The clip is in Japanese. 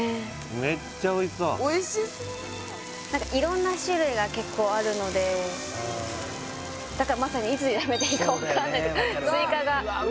メッチャおいしそうおいしそう色んな種類が結構あるのでだからまさにいつやめていいか分かんない追加がうわ